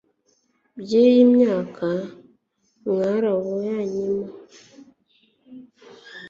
by'iyi myaka mwarubanyemo